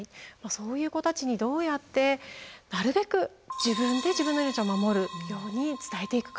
そういう子たちにどうやってなるべく自分で自分の命を守るように伝えていくか。